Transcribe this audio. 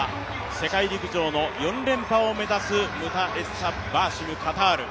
世界陸上の４連覇を目指すムタエッサ・バーシム、カタール。